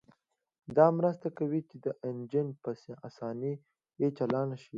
دا مرسته کوي چې انجن په اسانۍ چالان شي